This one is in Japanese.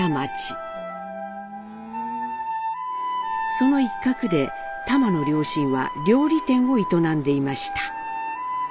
その一角でタマの両親は料理店を営んでいました。